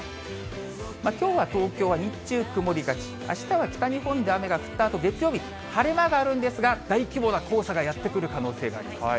きょうは東京は日中、曇りがち、あしたは北日本で雨が降ったあと、月曜日、晴れ間があるんですが、大規模な黄砂がやって来る可能性があります。